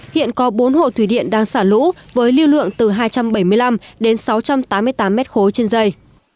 hiện có bốn hồ thủy điện đang xả lũ với lưu lượng từ hai trăm bảy mươi năm đến sáu trăm tám mươi tám m ba trên dây